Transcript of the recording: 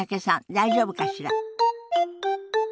大丈夫かしら？